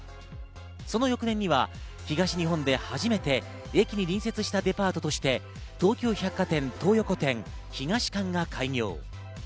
その翌年には東日本で初めて駅に隣接したデパートとして、東急百貨店東横店東館が開業。